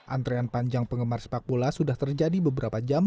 antrean panjang penggemar sepak bola sudah terjadi beberapa jam